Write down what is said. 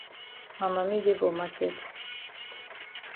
Ma mami dey for maket.